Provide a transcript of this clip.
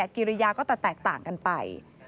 กิริยาก็จะแตกต่างกันไป